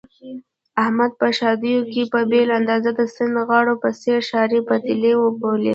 احمد په ښادیو کې په بېل انداز د سندرغاړو په څېر ښاري بدلې بولي.